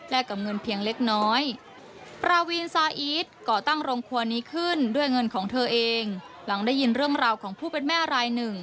และกับเงินเพียงเล็กน้อย